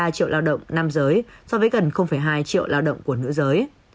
ba triệu lao động nam giới so với gần hai triệu lao động của nữ giới